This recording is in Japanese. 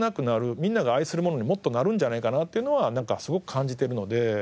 みんなが愛するものにもっとなるんじゃないかなっていうのはすごく感じているので。